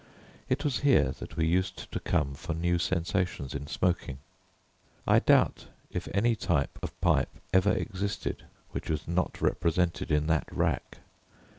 It was here that we used to come for new sensations in smoking. I doubt if any type of pipe ever existed which was not represented in that rack.